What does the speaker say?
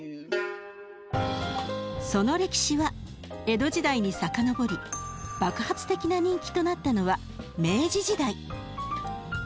その歴史は江戸時代に遡り爆発的な人気となったのは明治時代。